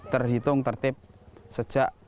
terhitung tertib sejak di